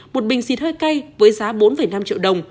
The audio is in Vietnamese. một bình xịt hơi cay với giá bốn năm triệu đồng